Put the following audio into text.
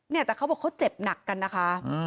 เนี่ยแต่เขาบอกเขาเจ็บหนักกันนะคะ